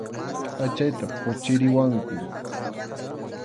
Pʼachayta quchiriwanku.